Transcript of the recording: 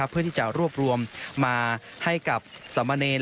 เพื่อที่จะรวบรวมมาให้กับสมเนร